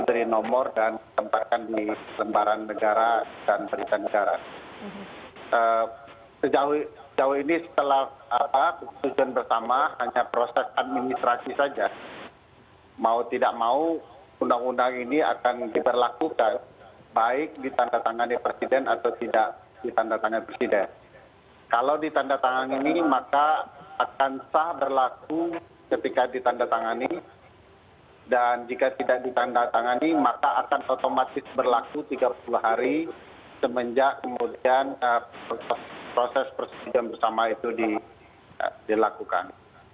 kalau ditanda tangan ini maka akan sah berlaku ketika ditanda tangani dan jika tidak ditanda tangani maka akan otomatis berlaku tiga puluh hari semenjak kemudian proses persetujuan bersama itu dilakukan